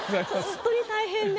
ホントに大変で。